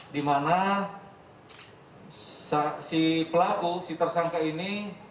dimana si pelaku si tersangka ini